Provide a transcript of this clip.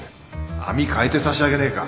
網かえて差し上げねえか